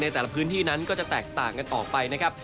แต่ละพื้นที่นั้นก็จะแตกต่างกันออกไปนะครับ